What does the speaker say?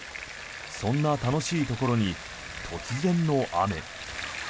そんな楽しいところに突然の雨。